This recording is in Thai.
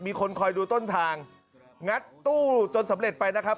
มีคนคอยดูต้นทางงัดตู้จนสำเร็จไปนะครับ